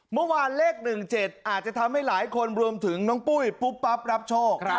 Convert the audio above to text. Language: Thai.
เมื่อวานเลข๑๗อาจจะทำให้หลายคนรวมถึงน้องปุ้ยปุ๊บปั๊บรับโชค